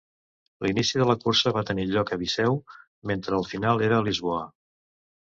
L'inici de la cursa va tenir lloc a Viseu, mentre el final era a Lisboa.